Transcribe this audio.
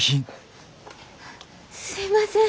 すいません。